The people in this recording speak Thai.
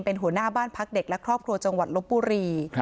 เป็นหัวหน้าบ้านพักเด็กและครอบครัวจังหวัดลบบุรี